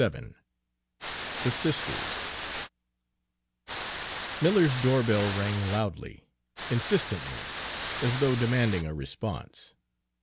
XXXVII THE SISTERS Miller's doorbell rang loudly, insistently, as though demanding a response.